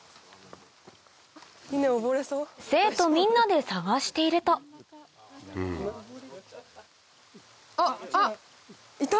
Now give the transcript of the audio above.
生徒みんなで探しているとあっあっいた！